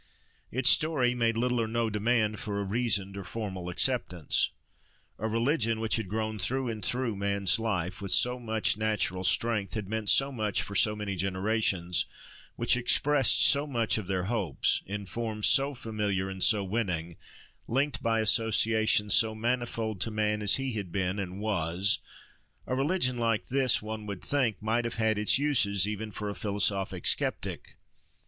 Its story made little or no demand for a reasoned or formal acceptance. A religion, which had grown through and through man's life, with so much natural strength; had meant so much for so many generations; which expressed so much of their hopes, in forms so familiar and so winning; linked by associations so manifold to man as he had been and was—a religion like this, one would think, might have had its uses, even for a philosophic sceptic.